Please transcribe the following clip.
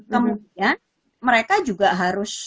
kemudian mereka juga harus